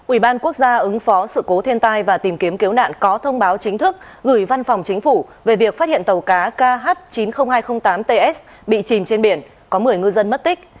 ủy ban quốc gia ứng phó sự cố thiên tai và tìm kiếm cứu nạn có thông báo chính thức gửi văn phòng chính phủ về việc phát hiện tàu cá kh chín mươi nghìn hai trăm linh tám ts bị chìm trên biển có một mươi ngư dân mất tích